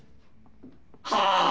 はあ？